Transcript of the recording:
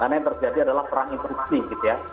karena yang terjadi adalah perang interaksi gitu ya